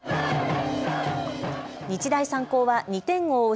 日大三高は２点を追う